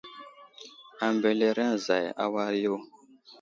Ambelereŋ zay a war yo.